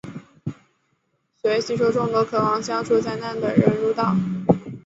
遂吸收众多渴望消灾除难的人入道。